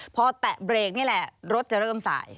พอแตะเบรกนี่แหละรถจะเริ่มสาย